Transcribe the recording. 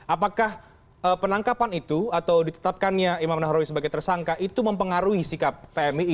apakah penangkapan itu atau ditetapkannya imam nahrawi sebagai tersangka itu mempengaruhi sikap pmii